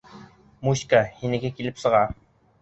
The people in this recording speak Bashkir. Муська, һинеке килеп сыға.